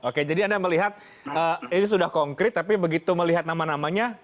oke jadi anda melihat ini sudah konkret tapi begitu melihat nama namanya